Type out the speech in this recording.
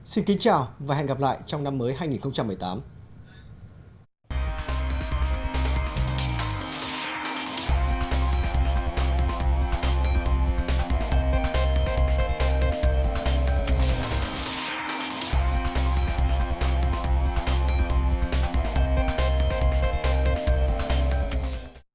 xin kính chào và hẹn gặp lại trong năm mới hai nghìn một mươi tám